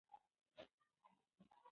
ته ولې بازار ته ځې؟